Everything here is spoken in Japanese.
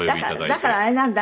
だからあれなんだ。